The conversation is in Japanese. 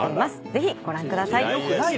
ぜひご覧ください。